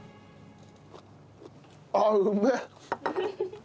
あっうめえ！